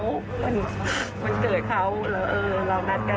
วันเกิดเขาแล้วเออเรานัดกัน